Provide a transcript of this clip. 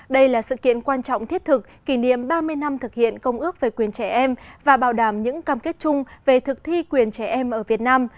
đây là sự kiện quan trọng thiết thực kỷ niệm ba mươi năm thực hiện công ước về quyền trẻ em và bảo đảm những cam kết chung về thực thi quyền trẻ em ở việt nam